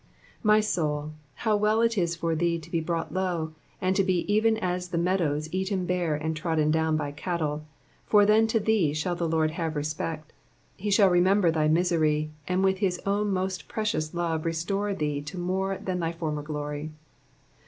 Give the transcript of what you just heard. '' My soul, how well it is for thee to be brought low. and to be even as the meadows eaten bare and trodden down by cattle, for then to thee shall the Lord have respect ; he shall remember thy misery, and with his own most precious love restore thee to more than thy former glory.